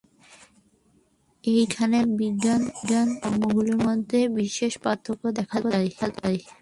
এইখানেই আধুনিক বিজ্ঞান ও ধর্মগুলির মধ্যে বিশেষ পার্থক্য দেখা যায়।